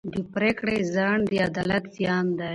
د پرېکړې ځنډ د عدالت زیان دی.